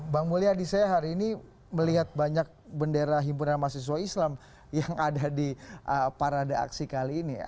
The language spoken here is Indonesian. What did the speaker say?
bang mulyadi saya hari ini melihat banyak bendera himpunan mahasiswa islam yang ada di parade aksi kali ini